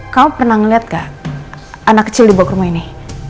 kamu pernah melihat gak anak kecil dibawa ke rumah ini